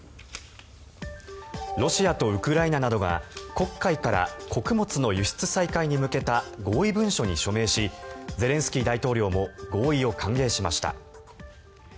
ロシアとウクライナなどが黒海から穀物の輸出再開に向けた合意文書に署名しゼレンスキー大統領も合意を歓迎しました。